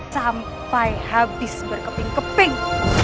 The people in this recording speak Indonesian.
sampai habis berkeping keping